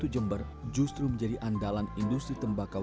jembatan okei mukabara